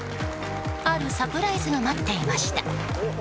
あるサプライズが待っていました。